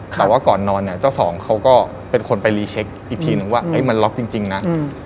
แต่ว่าก่อนนอนเนี่ยเจ้าสองเขาก็เป็นคนไปรีเช็คอีกทีนึงว่ามันล็อกจริงนะ